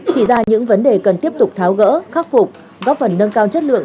chỉ ra những vấn đề cần tiếp tục tháo gỡ khắc phục góp phần nâng cao chất lượng